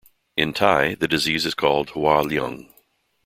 In Thai, the disease is called "Hua leung".